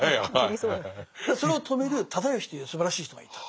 それを止める直義というすばらしい人がいた。